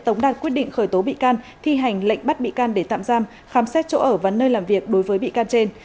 tống đạt quyết định khởi tố bị can thi hành lệnh bắt bị can để tạm giam khám xét chỗ ở và nơi làm việc đối với bị can trên